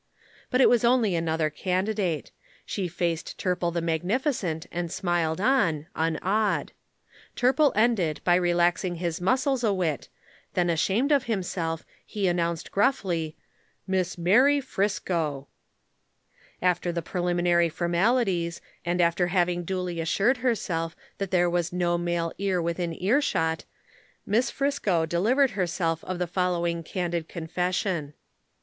But it was only another candidate. She faced Turple the magnificent and smiled on, unawed. Turple ended by relaxing his muscles a whit, then ashamed of himself he announced gruffly, "Miss Mary Friscoe." After the preliminary formalities, and after having duly assured herself that there was no male ear within earshot, Miss Friscoe delivered herself of the following candid confession.